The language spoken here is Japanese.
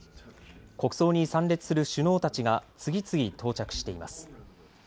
国葬に参列する首脳たちが次々到着しています。